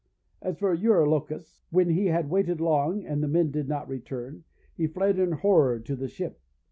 As for Eurylochus, when he had waited long and the men did not return, he fled in horror to the ship.